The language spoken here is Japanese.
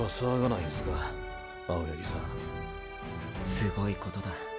すごいことだ。